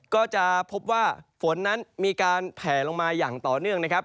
ก็จะพบว่าฝนนั้นมีการแผลลงมาอย่างต่อเนื่องนะครับ